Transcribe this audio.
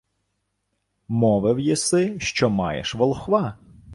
— Мовив єси, що маєш волхва.